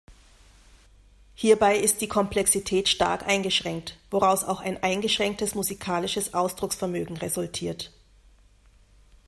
Hierbei ist die Komplexität stark eingeschränkt, woraus auch ein eingeschränktes musikalisches Ausdrucksvermögen resultiert.